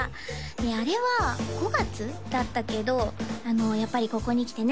あれは５月だったけどやっぱりここにきてね